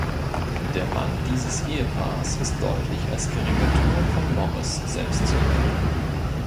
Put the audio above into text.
Der Mann dieses Ehepaars ist deutlich als Karikatur von Morris selbst zu erkennen.